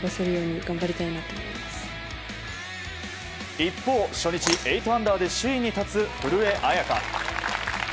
一方、初日８アンダーで首位に立つ古江彩佳。